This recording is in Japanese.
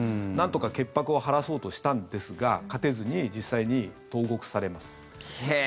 なんとか潔白を晴らそうとしたんですが勝てずに実際に投獄されます。